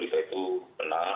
silahkan nanti diberikan oleh